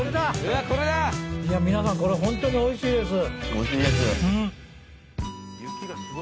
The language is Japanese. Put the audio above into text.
皆さんこれホントにおいしいです。